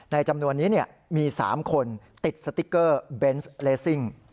ในจำนวนนี้เนี่ยมีสามคนติดสติ๊กเกอร์เบนส์เลสซิง